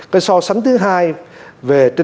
cái so sánh thứ hai về